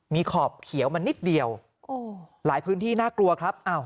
มีขอบเขียวมานิดเดียวหลายพื้นที่น่ากลัวครับ